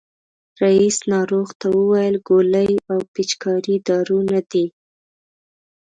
رئیس ناروغ ته وویل ګولۍ او پيچکاري دارو نه دي.